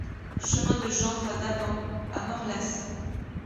Chemin de Gendre à Daban à Morlaàs